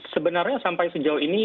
sebenarnya sampai sejauh ini